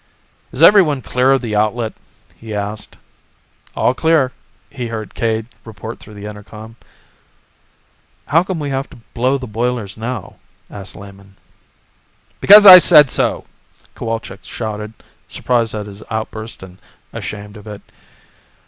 "Is everyone clear of the outlet?" he asked. "All clear," he heard Cade report through the intercom. "How come we have to blow the boilers now?" asked Lehman. "Because I say so," Cowalczk shouted, surprised at his outburst and ashamed of it.